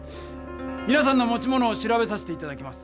みなさんの持ち物を調べさせていただきます！